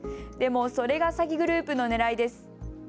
でもそれが詐欺グループの狙いです。